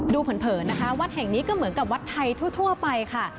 เผินนะคะวัดแห่งนี้ก็เหมือนกับวัดไทยทั่วไปค่ะ